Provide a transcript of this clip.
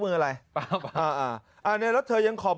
เออเพราะว่าคนมาเช่าไง